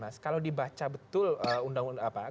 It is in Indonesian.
mas kalau dibaca betul undang undang apa